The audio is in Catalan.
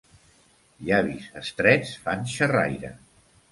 Llavis estrets fan xerraire.